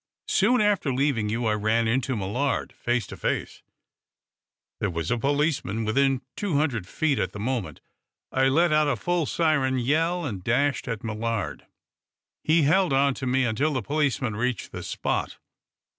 Soon after leaving you I ran into Millard, face to face, There was a policeman within two hundred feet at the moment. I let out a full siren yell and dashed at Millard. He held on to me until the policeman reached the spot.